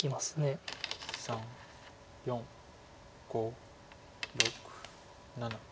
３４５６７。